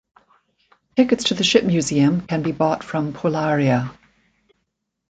Tickets to the ship museum can be bought from Polaria.